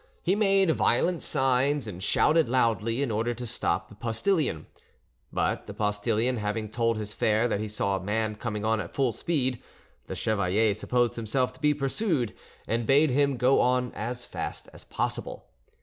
He made violent signs and shouted loudly, in order to stop the postillion. But the postillion having told his fare that he saw a man coming on at full speed, the chevalier supposed himself to be pursued, and bade him go on as fast as possible.